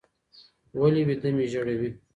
ولي ويـده مي ژړوې